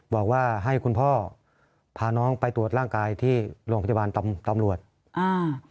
บอกว่าให้คุณพ่อพาน้องไปตรวจร่างกายที่โรงพยาบาลต่อตำรวจอ่า